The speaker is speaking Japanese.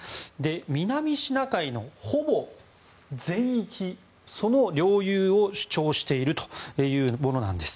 南シナ海のほぼ全域の領有を主張しているものなんです。